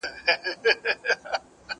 هغه څوک چي کار کوي پرمختګ کوي!.